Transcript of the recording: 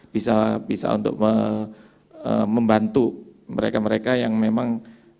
bisa untuk membantu mereka mereka yang memang